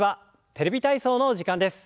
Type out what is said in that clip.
「テレビ体操」の時間です。